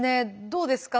どうですか？